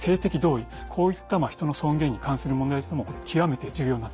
こういった人の尊厳に関する問題とも極めて重要になってくる。